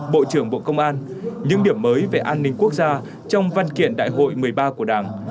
bộ trưởng bộ công an những điểm mới về an ninh quốc gia trong văn kiện đại hội một mươi ba của đảng